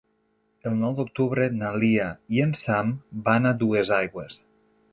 El nou d'octubre na Lia i en Sam van a Duesaigües.